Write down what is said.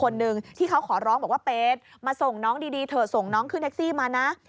ซึ่งตรงเนี่ยค่ะ